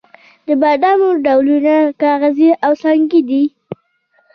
د بادامو ډولونه کاغذي او سنګي دي.